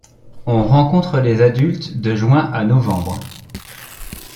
On rencontre les adultes de juin à novembre.